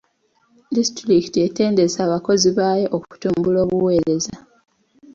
Disitulikiti etendese abakozi baayo okutumbula obuweereza.